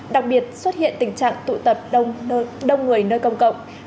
đặc biệt xuất hiện tình trạng tụ tập đông người nơi công cộng